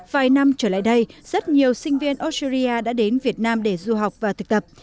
vài năm trở lại đây rất nhiều sinh viên australia đã đến việt nam để du học và thực tập